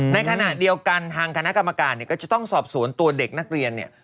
ในขณะเดียวกันทางคณะกรรมการเนี่ยก็จะต้องสอบสวนตัวเด็กนักเรียนเนี่ย